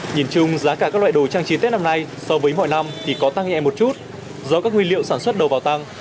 nhìn chung giá cả các loại đồ trang trí tết năm nay so với mọi năm thì có tăng nhẹ một chút do các nguyên liệu sản xuất đầu vào tăng